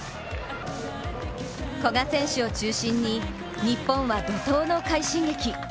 古賀選手を中心に、日本は怒とうの快進撃。